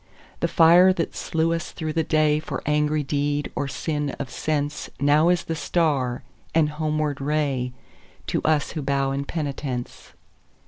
The fire that slew us through the dayFor angry deed or sin of senseNow is the star and homeward rayTo us who bow in penitence.